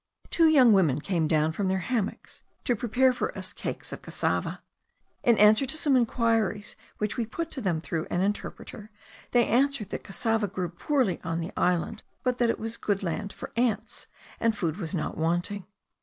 Two young women came down from their hammocks, to prepare for us cakes of cassava. In answer to some enquiries which we put to them through an interpreter, they answered that cassava grew poorly on the island, but that it was a good land for ants, and food was not wanting.